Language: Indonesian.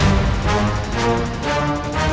ujang ujang ujang